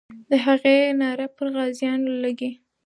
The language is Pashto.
د هغې ناره پر غازیانو لګي.